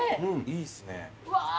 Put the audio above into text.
いいっすね。